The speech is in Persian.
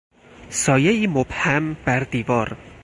سایهای مبهم بر دیوار